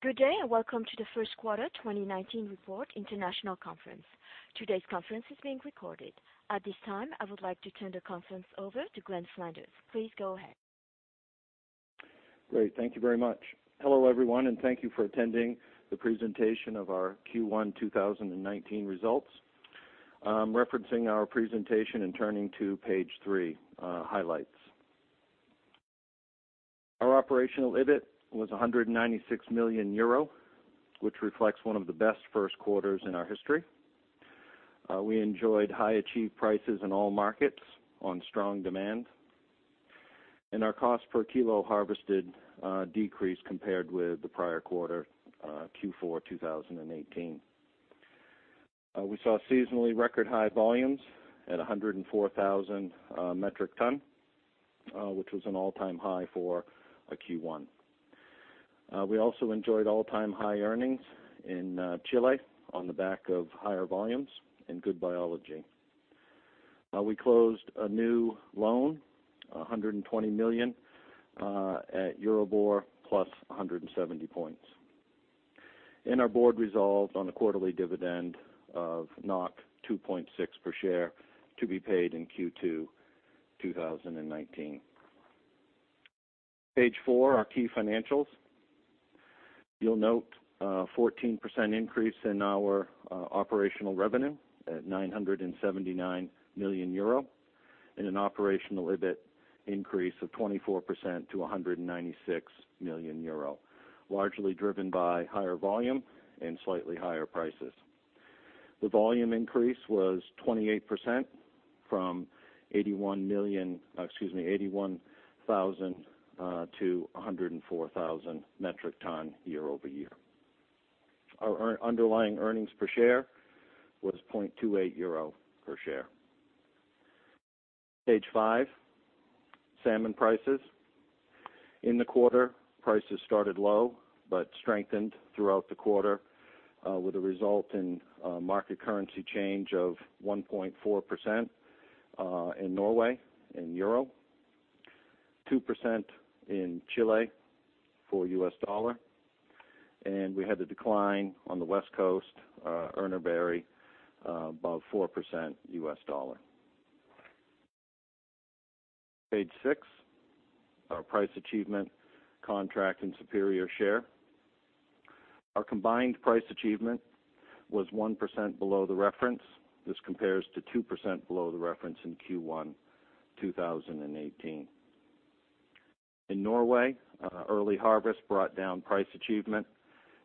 Good day, and welcome to the first quarter 2019 report international conference. Today's conference is being recorded. At this time, I would like to turn the conference over to Glenn Flanders. Please go ahead. Great. Thank you very much. Hello, everyone, and thank you for attending the presentation of our Q1 2019 results. I'm referencing our presentation and turning to page three, highlights. Our operational EBIT was 196 million euro, which reflects one of the best first quarters in our history. We enjoyed high achieved prices in all markets on strong demand. Our cost per kilo harvested decreased compared with the prior quarter, Q4 2018. We saw seasonally record high volumes at 104,000 metric tons, which was an all-time high for a Q1. We also enjoyed all-time high earnings in Chile on the back of higher volumes and good biology. We closed a new loan, 120 million at EURIBOR plus 170 points. Our board resolved on a quarterly dividend of 2.6 per share to be paid in Q2 2019. Page four, our key financials. You'll note a 14% increase in our operational revenue at 979 million euro and an operational EBIT increase of 24% to 196 million euro, largely driven by higher volume and slightly higher prices. The volume increase was 28% from 81,000 to 104,000 metric tons year-over-year. Our underlying earnings per share was 0.28 euro per share. Page five, salmon prices. In the quarter, prices started low but strengthened throughout the quarter with a result in market currency change of one point four percent in Norway in euro, two percent in Chile for U.S. dollar, and we had a decline on the West Coast, Urner Barry, about four percent U.S. dollar. Page six, our price achievement, contract, and superior share. Our combined price achievement was one percent below the reference. This compares to two percent below the reference in Q1 2018. In Norway, early harvest brought down price achievement,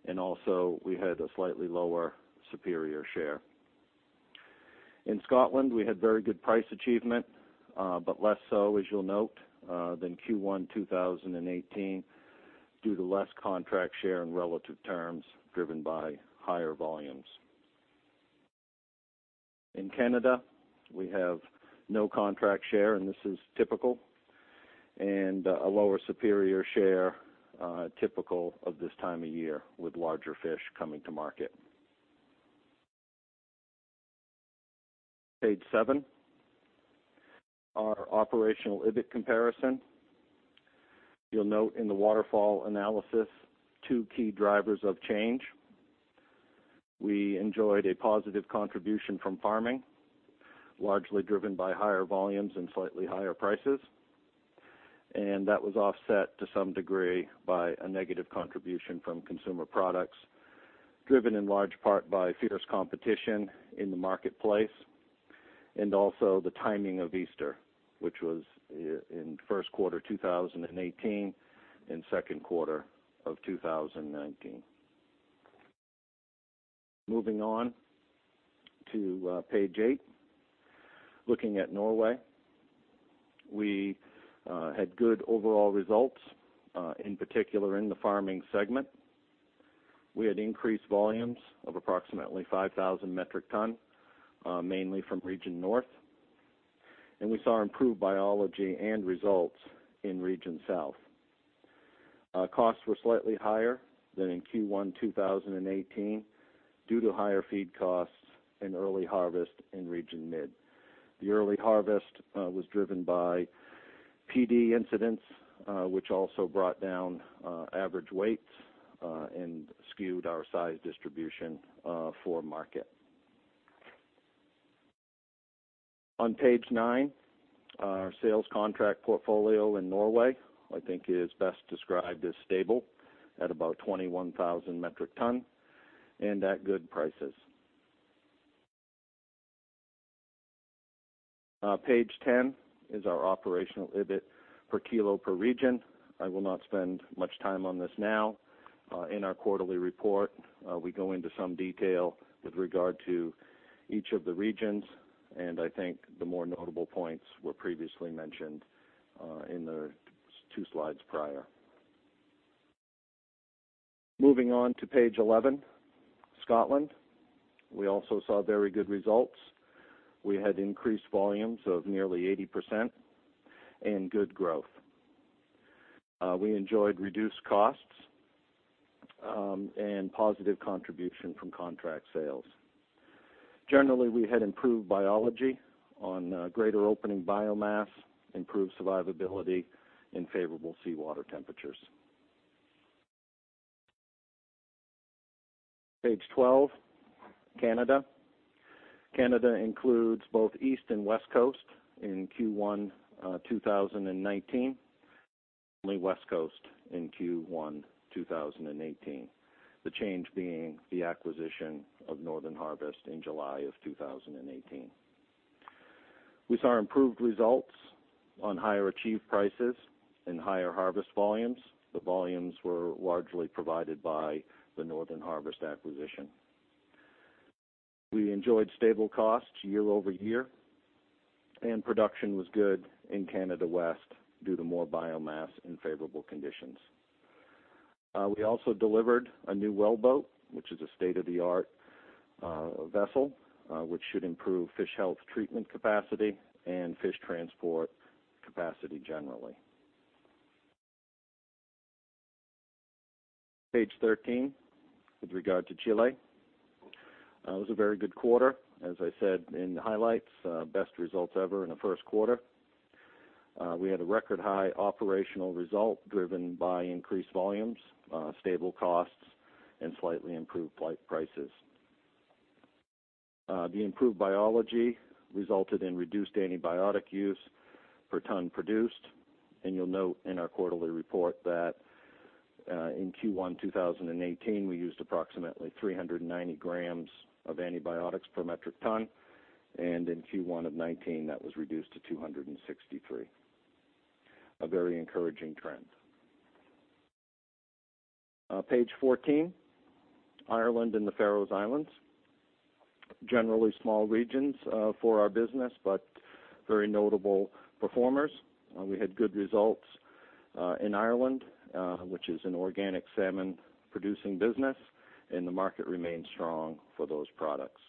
and also we had a slightly lower superior share. In Scotland, we had very good price achievement, but less so, as you'll note, than Q1 2018 due to less contract share in relative terms driven by higher volumes. In Canada, we have no contract share, and this is typical, and a lower superior share, typical of this time of year with larger fish coming to market. Page seven, our operational EBIT comparison. You'll note in the waterfall analysis two key drivers of change. We enjoyed a positive contribution from farming, largely driven by higher volumes and slightly higher prices. That was offset to some degree by a negative contribution from consumer products, driven in large part by fierce competition in the marketplace, and also the timing of Easter, which was in first quarter 2018 and second quarter of 2019. Moving on to page eight. Looking at Norway, we had good overall results, in particular in the farming segment. We had increased volumes of approximately 5,000 metric ton, mainly from Region North. We saw improved biology and results in Region South. Costs were slightly higher than in Q1 2018 due to higher feed costs and early harvest in Region Mid. The early harvest was driven by PD incidents, which also brought down average weights and skewed our size distribution for market. On page nine, our sales contract portfolio in Norway, I think is best described as stable at about 21,000 metric ton and at good prices. Page 10 is our operational EBIT per kilo per region. I will not spend much time on this now. In our quarterly report, we go into some detail with regard to each of the regions. I think the more notable points were previously mentioned in the two slides prior. Moving on to page 11, Scotland. We also saw very good results. We had increased volumes of nearly 80% and good growth. We enjoyed reduced costs and positive contribution from contract sales. Generally, we had improved biology on greater opening biomass, improved survivability in favorable seawater temperatures. Page 12, Canada. Canada includes both East and West Coast in Q1 2019. Only West Coast in Q1 2018. The change being the acquisition of Northern Harvest in July of 2018. We saw improved results on higher achieved prices and higher harvest volumes. The volumes were largely provided by the Northern Harvest acquisition. We enjoyed stable costs year-over-year. Production was good in Canada West due to more biomass and favorable conditions. We also delivered a new well boat, which is a state-of-the-art vessel, which should improve fish health treatment capacity and fish transport capacity generally. Page 13. With regard to Chile, it was a very good quarter. As I said in the highlights, best results ever in a first quarter. We had a record high operational result driven by increased volumes, stable costs, and slightly improved prices. The improved biology resulted in reduced antibiotic use per ton produced. And you'll note in our quarterly report that in Q1 2018, we used approximately 390 grams of antibiotics per metric ton, and in Q1 of 2019, that was reduced to 263. A very encouraging trend. Page 14. Ireland and the Faroe Islands. Generally small regions for our business, but very notable performers. We had good results in Ireland, which is an organic salmon producing business, and the market remains strong for those products.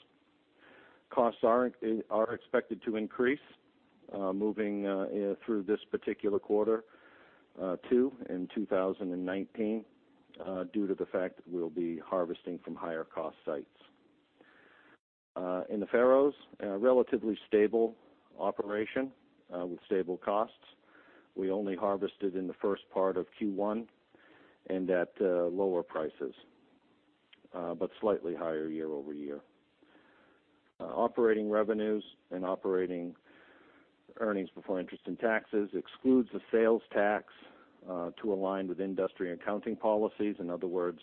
Costs are expected to increase moving through this particular quarter two in 2019 due to the fact that we'll be harvesting from higher cost sites. In the Faroes, a relatively stable operation with stable costs. We only harvested in the first part of Q1 and at lower prices. Slightly higher year-over-year. Operating revenues and operating earnings before interest and taxes excludes the sales tax to align with industry accounting policies. In other words,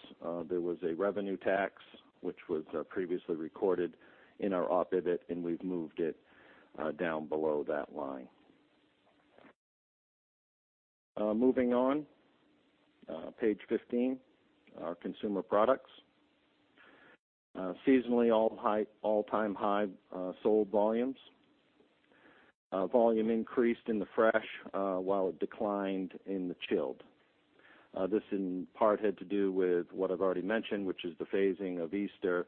there was a revenue tax, which was previously recorded in our EBIT, and we've moved it down below that line. Moving on, page 15. Our consumer products. Seasonally all-time high sold volumes. Volume increased in the fresh, while it declined in the chilled. This in part had to do with what I've already mentioned, which is the phasing of Easter,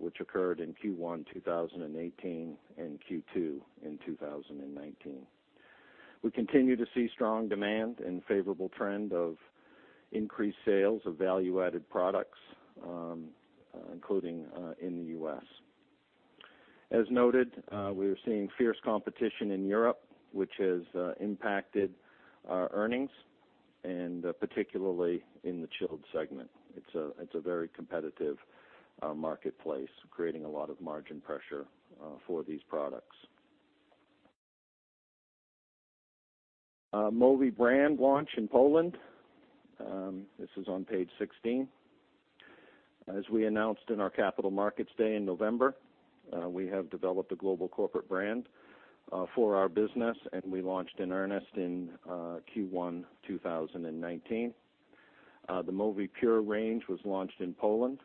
which occurred in Q1 2018 and Q2 in 2019. We continue to see strong demand and favorable trend of increased sales of value-added products, including in the U.S. As noted, we are seeing fierce competition in Europe, which has impacted our earnings, and particularly in the chilled segment. It's a very competitive marketplace, creating a lot of margin pressure for these products. Mowi brand launch in Poland. This is on page 16. As we announced in our Capital Markets Day in November, we have developed a global corporate brand for our business, and we launched in earnest in Q1 2019. The Mowi Pure range was launched in Poland.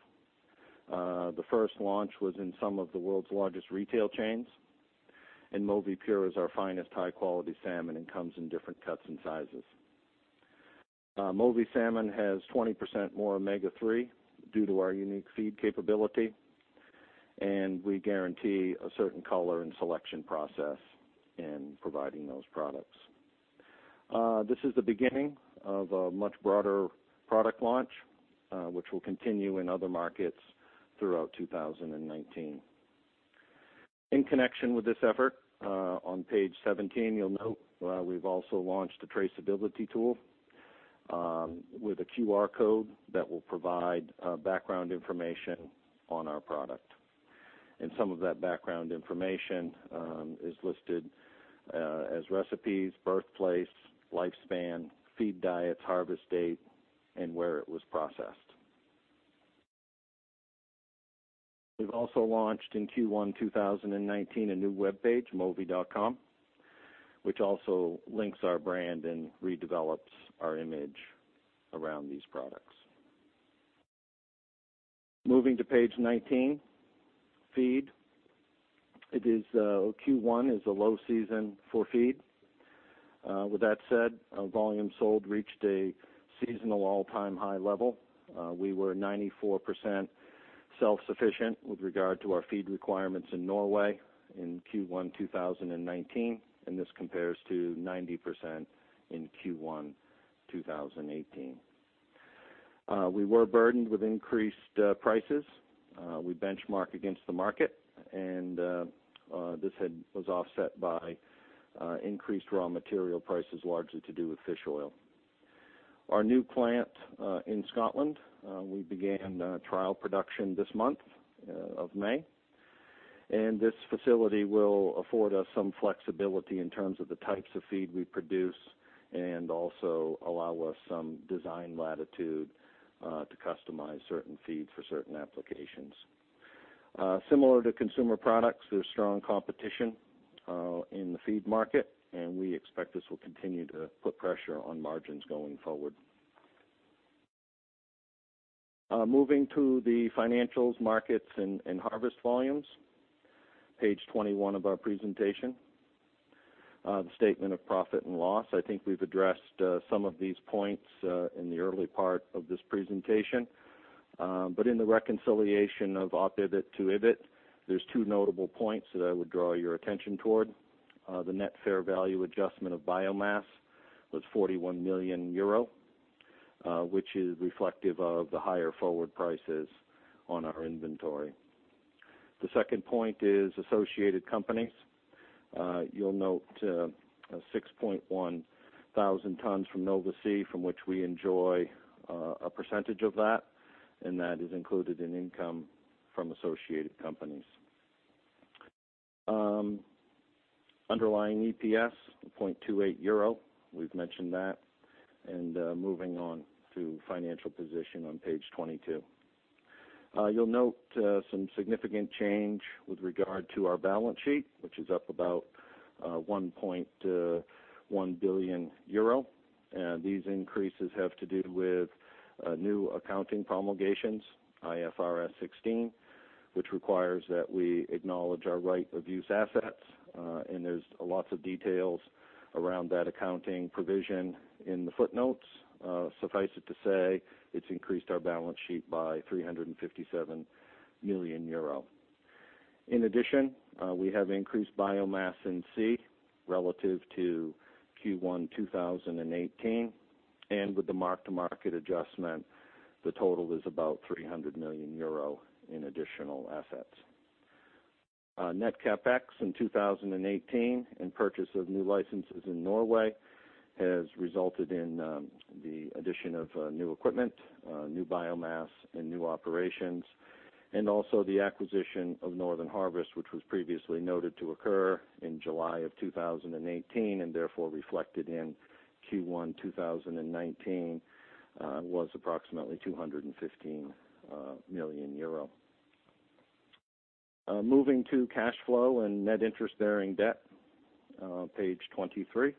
The first launch was in some of the world's largest retail chains. Mowi Pure is our finest high-quality salmon and comes in different cuts and sizes. Mowi salmon has 20% more omega-three due to our unique feed capability, and we guarantee a certain color and selection process in providing those products. This is the beginning of a much broader product launch, which will continue in other markets throughout 2019. In connection with this effort, on page 17, you'll note we've also launched a traceability tool with a QR code that will provide background information on our product. Some of that background information is listed as recipes, birthplace, lifespan, feed diets, harvest date, and where it was processed. We've also launched in Q1 2019 a new webpage, Mowi.com, which also links our brand and redevelops our image around these products. Moving to page 19. Feed. Q1 is a low season for feed. With that said, volume sold reached a seasonal all-time high level. We were 94% self-sufficient with regard to our feed requirements in Norway in Q1 2019, and this compares to 90% in Q1 2018. We were burdened with increased prices. We benchmark against the market, and this was offset by increased raw material prices, largely to do with fish oil. Our new plant in Scotland, we began trial production this month of May. This facility will afford us some flexibility in terms of the types of feed we produce and also allow us some design latitude to customize certain feeds for certain applications. Similar to consumer products, there's strong competition in the feed market, and we expect this will continue to put pressure on margins going forward. Moving to the financials, markets, and harvest volumes. Page 21 of our presentation. The statement of profit and loss. I think we've addressed some of these points in the early part of this presentation. In the reconciliation of EBIT to EBIT, there's two notable points that I would draw your attention toward. The net fair value adjustment of biomass was 41 million euro, which is reflective of the higher forward prices on our inventory. The second point is associated companies. You'll note 6,100 tons from Nova Sea, from which we enjoy a percentage of that, and that is included in income from associated companies. Underlying EPS, 2.28 euro. We've mentioned that. Moving on to financial position on page 22. You'll note some significant change with regard to our balance sheet, which is up about 1.1 billion euro. These increases have to do with new accounting promulgations, IFRS 16, which requires that we acknowledge our right-of-use assets. There's lots of details around that accounting provision in the footnotes. Suffice it to say, it's increased our balance sheet by 357 million euro. In addition, we have increased biomass in sea relative to Q1 2018, and with the mark-to-market adjustment, the total is about 300 million euro in additional assets. Net CapEx in 2018 and purchase of new licenses in Norway has resulted in the addition of new equipment, new biomass, and new operations, and also the acquisition of Northern Harvest, which was previously noted to occur in July of 2018 and therefore reflected in Q1 2019, was approximately 215 million euro. Moving to cash flow and net interest-bearing debt on page 23.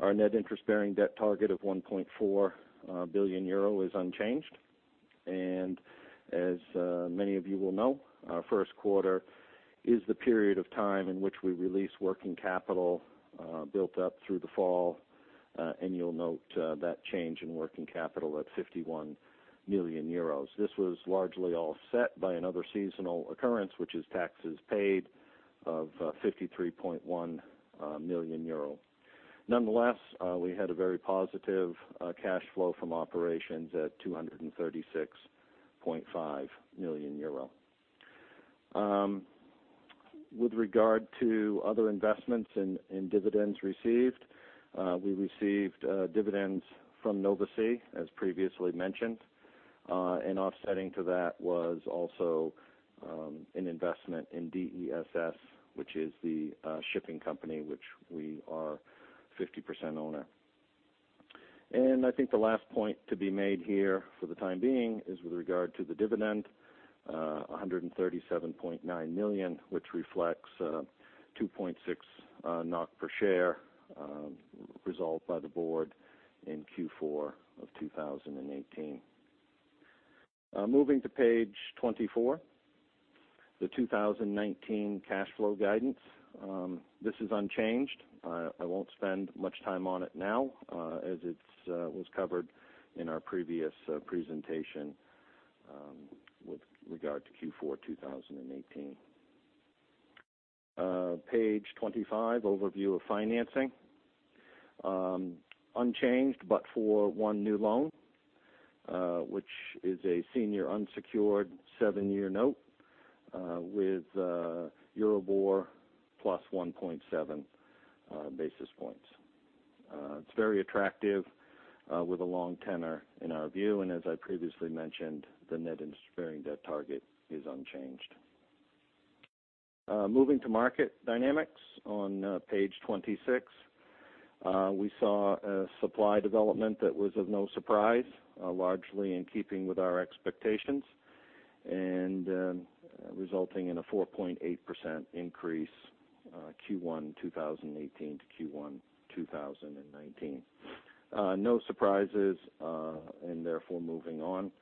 Our net interest-bearing debt target of 1.4 billion euro is unchanged. As many of you will know, our first quarter is the period of time in which we release working capital built up through the fall, and you'll note that change in working capital at 51 million euros. This was largely offset by another seasonal occurrence, which is taxes paid of 53.1 million euro. Nonetheless, we had a very positive cash flow from operations at 236.5 million euro. With regard to other investments in dividends received, we received dividends from Nova Sea, as previously mentioned. An offsetting to that was also an investment in DESS, which is the shipping company which we are 50% owner. I think the last point to be made here for the time being is with regard to the dividend, 137.9 million, which reflects 2.6 NOK per share resolved by the board in Q4 of 2018. Moving to page 24, the 2019 cash flow guidance. This is unchanged. I won't spend much time on it now, as it was covered in our previous presentation with regard to Q4 2018. Page 25, overview of financing. Unchanged but for one new loan, which is a senior unsecured seven-year note with EURIBOR plus one point seven basis points. It's very attractive with a long tenor in our view. As I previously mentioned, the net interest-bearing debt target is unchanged. Moving to market dynamics on page 26. We saw a supply development that was of no surprise, largely in keeping with our expectations and resulting in a four point eight percent increase Q1 2018 to Q1 2019. No surprises. Therefore, moving on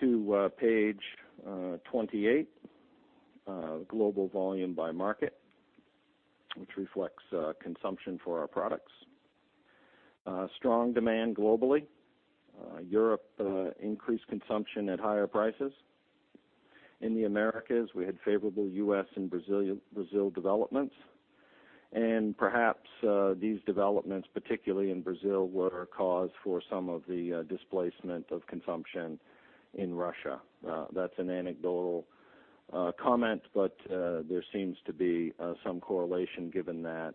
to page 28, global volume by market, which reflects consumption for our products. Strong demand globally. Europe increased consumption at higher prices. In the Americas, we had favorable U.S. and Brazil developments. Perhaps these developments, particularly in Brazil, were cause for some of the displacement of consumption in Russia. That's an anecdotal comment, but there seems to be some correlation given that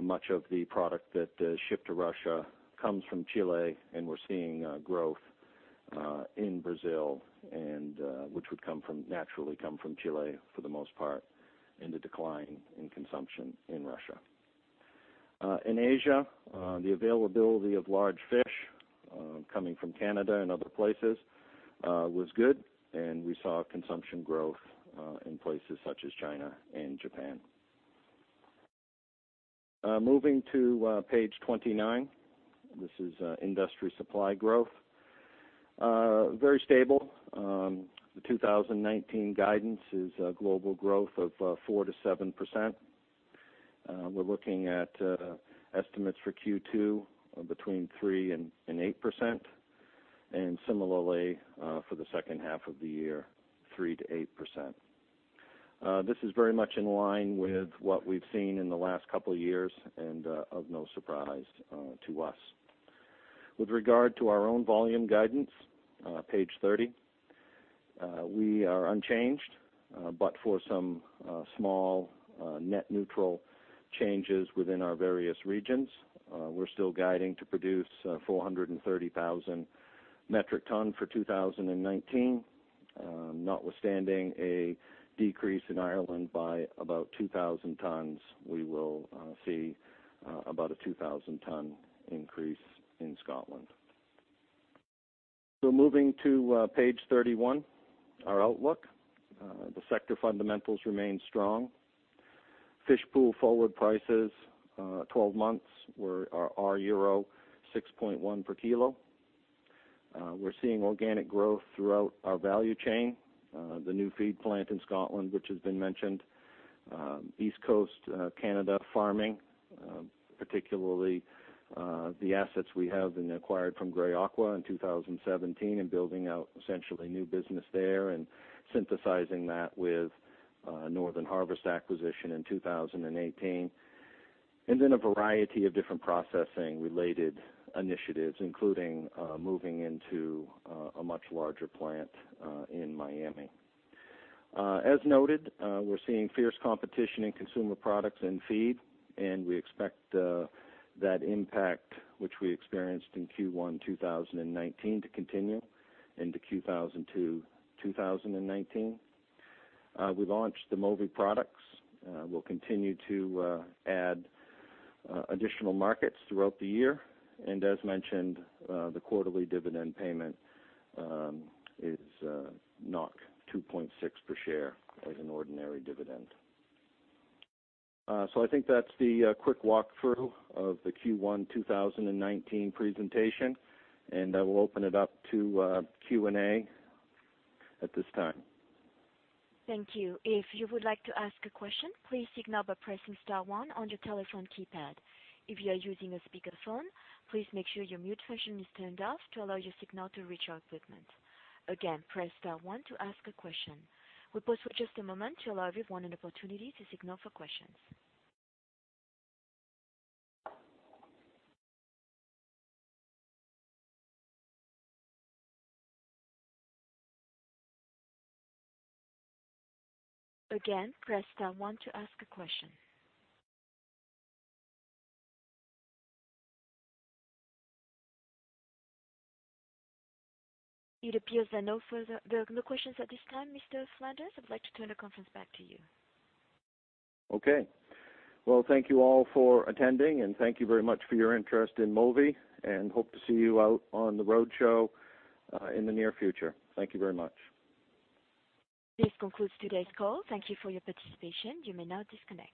much of the product that shipped to Russia comes from Chile, and we're seeing growth in Brazil, which would naturally come from Chile for the most part, and the decline in consumption in Russia. In Asia, the availability of large fish coming from Canada and other places was good, and we saw consumption growth in places such as China and Japan. Moving to page 29. This is industry supply growth. Very stable. The 2019 guidance is a global growth of four to seven percent. We're looking at estimates for Q2 of between three to eight percent, and similarly, for the second half of the year, three to eight percent. This is very much in line with what we've seen in the last couple of years and of no surprise to us. With regard to our own volume guidance, page 30. We are unchanged, but for some small net neutral changes within our various regions. We're still guiding to produce 430,000 metric tons for 2019. Notwithstanding a decrease in Ireland by about 2,000 tons, we will see about a 2,000-ton increase in Scotland. Moving to page 31, our outlook. The sector fundamentals remain strong. Fish Pool forward prices, 12 months, are euro 6.1 per kilo. We're seeing organic growth throughout our value chain. The new feed plant in Scotland, which has been mentioned. East Coast Canada farming, particularly the assets we have and acquired from Gray Aqua in 2017, and building out essentially new business there and synthesizing that with Northern Harvest acquisition in 2018. A variety of different processing-related initiatives, including moving into a much larger plant in Miami. As noted, we're seeing fierce competition in consumer products and feed, and we expect that impact, which we experienced in Q1 2019 to continue into 2019. We've launched the Mowi products. We'll continue to add additional markets throughout the year. As mentioned, the quarterly dividend payment is 2.6 per share as an ordinary dividend. I think that's the quick walkthrough of the Q1 2019 presentation. I will open it up to Q&A at this time. Thank you. If you would like to ask a question, please signal by pressing star one on your telephone keypad. If you are using a speakerphone, please make sure your mute function is turned off to allow your signal to reach our equipment. Again, press star one to ask a question. We'll pause for just a moment to allow everyone an opportunity to signal for questions. Again, press star one to ask a question. It appears there are no questions at this time. Mr. Flanders, I'd like to turn the conference back to you. Okay. Well, thank you all for attending. Thank you very much for your interest in Mowi. Hope to see you out on the roadshow in the near future. Thank you very much. This concludes today's call. Thank you for your participation. You may now disconnect.